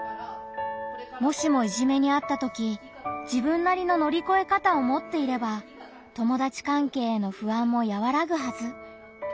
もしもいじめにあったとき自分なりの乗り越え方を持っていれば友達関係への不安もやわらぐはず。